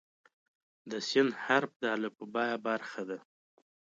د "س" حرف د الفبا برخه ده.